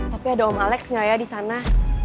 tapi ada om alex nggak ya di sana